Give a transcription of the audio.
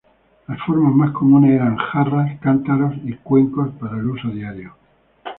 Las formas más comunes eran jarras, cántaros y cuencos para el uso diario.